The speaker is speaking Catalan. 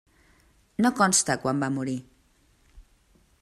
No consta quan va morir.